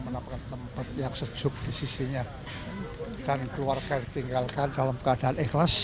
mendapatkan tempat yang sejuk di sisinya dan keluarga ditinggalkan dalam keadaan ikhlas